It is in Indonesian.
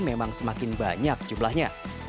memang semakin banyak jumlahnya